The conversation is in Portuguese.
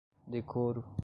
decoro